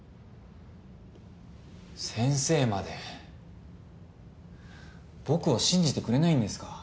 先生まで僕を信じてくれないんですか？